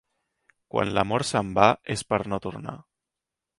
Quan l'amor se'n va és per no tornar.